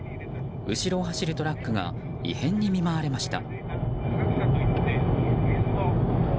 後ろを走るトラックが異変に見舞われました。